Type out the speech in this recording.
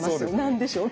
何でしょう？